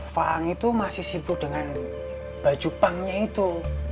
faam itu masih sibuk dengan baju pang nya itu